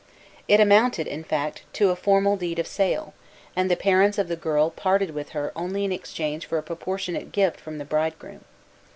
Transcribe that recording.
It amounted, in fact, to a formal deed of sale, and the parents of the girl parted with her only in exchange for a proportionate gift from the bridegroom.